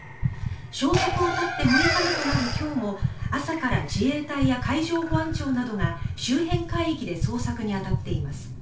消息を絶って６日目となる今日も朝から自衛隊や海上保安庁などが周辺海域で捜索に当たっています。